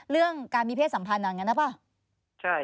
เรื่องการมีเพศสัมพันธ์อย่างนั้นหรือเปล่า